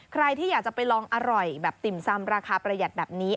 ใครที่อยากจะไปลองอร่อยแบบติ่มซำราคาประหยัดแบบนี้